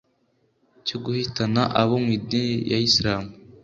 cyo guhitana abo mu idini ya Islam